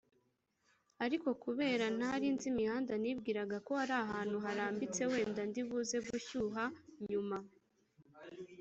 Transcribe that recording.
Ariko kubera ntarinzi imihanda nibwiraga ko ari ahantu harambitse wenda ndibuze gushyuha nyuma